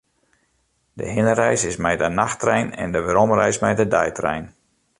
De hinnereis is mei de nachttrein en de weromreis mei de deitrein.